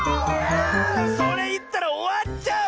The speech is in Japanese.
あそれいったらおわっちゃう！